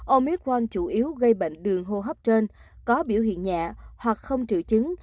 omicron chủ yếu gây bệnh đường hô hấp trên có biểu hiện nhẹ hoặc không triệu chứng